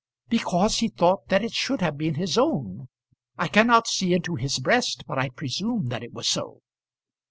"Because he thought that it should have been his own. I cannot see into his breast, but I presume that it was so."